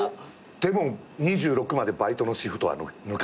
でも２６までバイトのシフトは抜かなかったね。